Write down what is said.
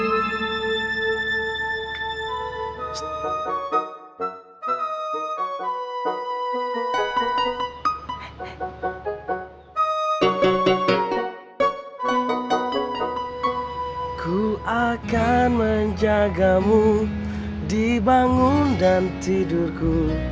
aku akan menjagamu dibangun dan tidurku